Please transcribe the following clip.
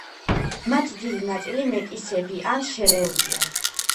მათი დიდი ნაწილი მეტისები ან შერეულია.